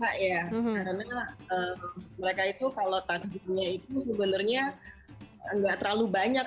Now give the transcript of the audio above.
karena mereka itu kalau tarifannya itu sebenarnya gak terlalu banyak